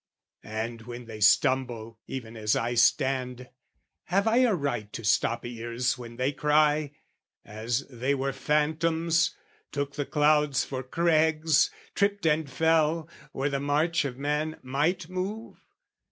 And when they stumble even as I stand, Have I a right to stop ears when they cry, As they were phantoms, took the clouds for crags, Tripped and fell, where the march of man might move?